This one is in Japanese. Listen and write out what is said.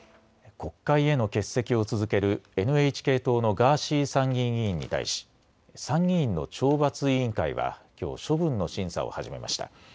国会への欠席を続けるＮＨＫ党のガーシー参議院議員に対し参議院の懲罰委員会はきょう処分の審査を始めました。